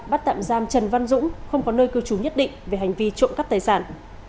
bắt tạm giam trần văn dũng không có nơi cư trú nhất định về hành vi trộm cắp tài sản